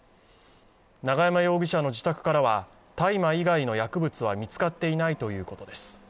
永山容疑者の自宅からは大麻以外の薬物は見つかっていないということです。